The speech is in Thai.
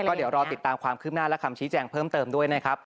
ก็เดี๋ยวรอติดตามความคืบหน้าและคำชี้แจงเพิ่มเติมด้วยนะครับ